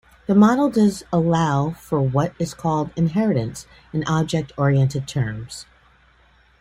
The model does allow for what is called inheritance in object oriented terms.